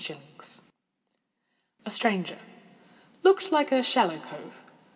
_ _A Stranger—looked like a shallow cove.